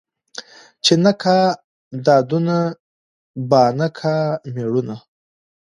ـ چې نه کا دادونه بانه کا مېړونه.